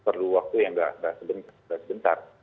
perlu waktu yang tidak sebentar